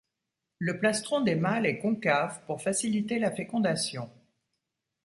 Le plastron des mâles est concave pour faciliter la fécondation.